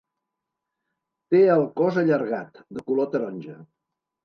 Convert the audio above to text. Té el cos allargat, de color taronja.